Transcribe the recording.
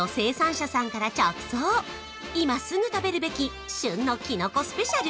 今すぐ食べるべき旬のキノコスペシャル